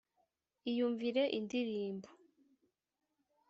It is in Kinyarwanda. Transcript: Iyumvire Indirimbo